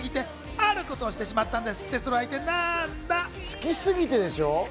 好きすぎてでしょ？